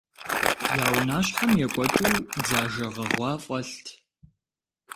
Я унащхьэм екӏуэкӏыу дзажэ гъэгъуа фӏэлът.